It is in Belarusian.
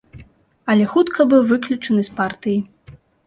Але хутка быў выключаны з партыі.